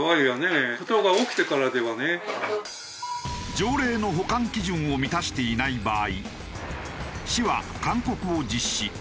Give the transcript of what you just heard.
条例の保管基準を満たしていない場合市は勧告を実施。